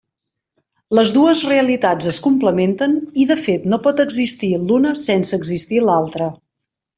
Les dues realitats es complementen i de fet no pot existir l'una sense existir l'altra.